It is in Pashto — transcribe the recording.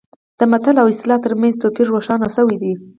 د متل او اصطلاح ترمنځ توپیر روښانه شوی دی